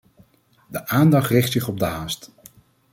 De aandacht richt zich op de haast.